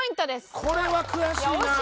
これは悔しいな。